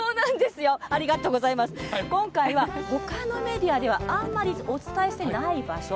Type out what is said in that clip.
今回は他のメディアではあんまりお伝えしてない場所